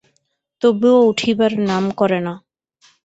তবুও উঠিবার নাম করে না।